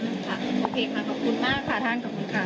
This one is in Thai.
โอเคค่ะขอบคุณมากค่ะท่าน